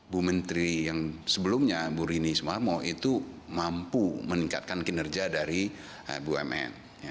bumn yang sebelumnya bu rini sumarno itu mampu meningkatkan kinerja dari bumn